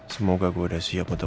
sebuah kebenaran soal reina